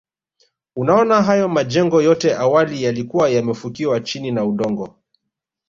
Unaona hayo majengo yote awali yalikuwa yamefukiwa chini na udongo